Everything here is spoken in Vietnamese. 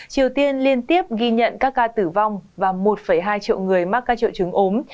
triều tiên liên tiếp ghi nhận các ca tử vong và một hai triệu người mắc các triệu chứng ốm